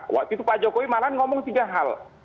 waktu itu pak jokowi malah ngomong tiga hal